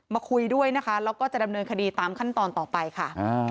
คุยด้วยนะคะแล้วก็จะดำเนินคดีตามขั้นตอนต่อไปค่ะ